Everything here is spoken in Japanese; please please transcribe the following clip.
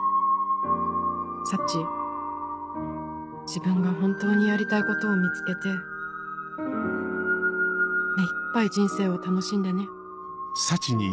自分が本当にやりたいことを見つけて目いっぱい人生を楽しんでね。